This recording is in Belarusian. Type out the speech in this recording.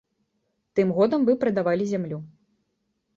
Тым годам вы прадавалі зямлю.